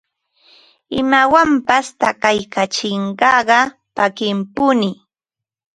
imawanpas takaykachisqaqa pakiqpuni